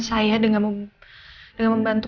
saya dengan membantu